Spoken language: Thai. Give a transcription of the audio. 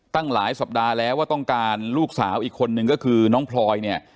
ตั้งหลายสัปดาห์แล้วว่าต้องการลูกสาวอีกคนนึงก็คือน้องพลอยเนี่ย